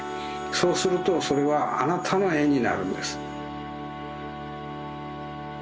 そうするとそれはあなたのえになるんです。